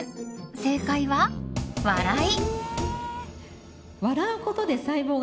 正解は、笑い。